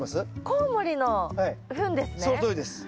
コウモリのフンですね？